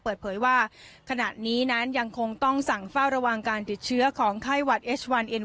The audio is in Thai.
เปิดเผยว่าขณะนี้นั้นยังคงต้องสั่งเฝ้าระวังการติดเชื้อของไข้หวัดเอสวันเอ็น